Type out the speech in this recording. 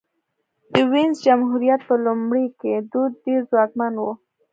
د وینز جمهوریت په لومړیو کې دوج ډېر ځواکمن و